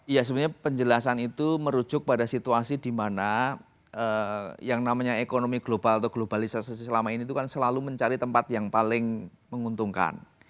ya sebenarnya penjelasan itu merujuk pada situasi di mana yang namanya ekonomi global atau globalisasi selama ini itu kan selalu mencari tempat yang paling menguntungkan